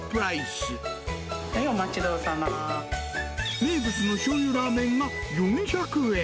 名物のしょうゆラーメンが４００円。